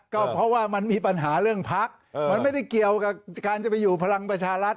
ก็เพราะว่ามันมีปัญหาเรื่องพักมันไม่ได้เกี่ยวกับการจะไปอยู่พลังประชารัฐ